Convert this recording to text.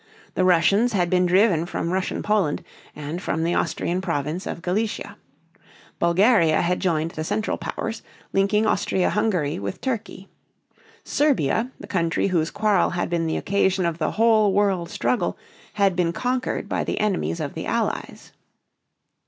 The Russians had been driven from Russian Poland and from the Austrian province of Galicia. Bulgaria had joined the Central Powers, linking Austria Hungary with Turkey. Serbia, the country whose quarrel had been the occasion of the whole world struggle, had been conquered by the enemies of the Allies.